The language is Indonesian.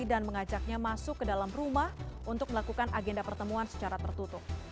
dan mengajaknya masuk ke dalam rumah untuk melakukan agenda pertemuan secara tertutup